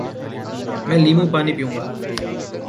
میں لیموں پانی پیوں گا